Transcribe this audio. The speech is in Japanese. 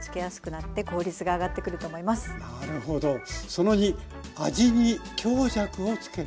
その２「味に強弱をつける」。